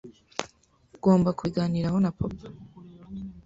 Ngomba kubiganiraho na papa.